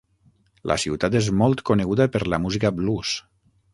La ciutat és molt coneguda per la música blues.